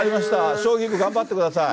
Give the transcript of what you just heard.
将棋部、頑張ってください。